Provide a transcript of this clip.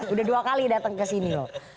udah dua kali datang ke sini loh